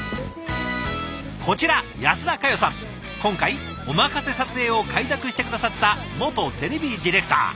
こちら今回おまかせ撮影を快諾して下さった元テレビディレクター。